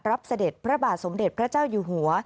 เสด็จพระบาทสมเด็จพระเจ้าอยู่หัว